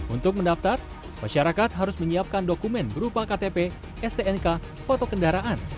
untuk mendaftar masyarakat harus menyiapkan dokumen berupa ktp stnk foto kendaraan